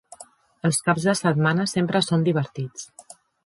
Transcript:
Els caps de setmana sempre són divertits.